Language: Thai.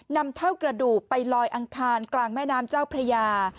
นำเท่ากระดูกไปลอยอังคารกลางแม่น้ำเจ้าพระยา